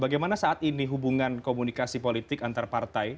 bagaimana saat ini hubungan komunikasi politik antar partai